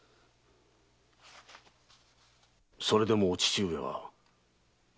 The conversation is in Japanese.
それでもお父上は無能か？